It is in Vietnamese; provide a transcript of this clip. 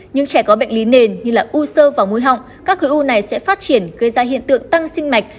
những trẻ có bệnh lý nền như là u sơ và mũi họng các khối u này sẽ phát triển gây ra hiện tượng tăng sinh mạch